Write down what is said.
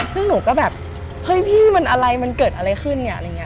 ซึ่งหนูก็แบบเฮ้ยพี่มันอะไรมันเกิดอะไรขึ้นเนี่ย